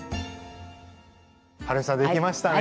はるみさんできましたね。